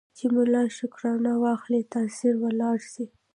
چي ملا شکرانه واخلي تأثیر ولاړ سي